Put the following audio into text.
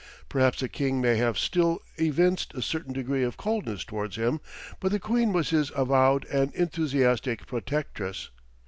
Perhaps the king may have still evinced a certain degree of coldness towards him, but the queen was his avowed and enthusiastic protectress.